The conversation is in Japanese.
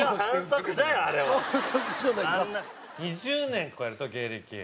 ２０年超えると芸歴。